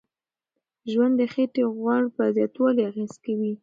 ژوند د خېټې غوړ په زیاتوالي اغیز کوي.